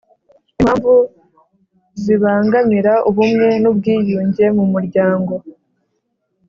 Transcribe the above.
Impamvu zibangamira ubumwe n ubwiyunge mu muryango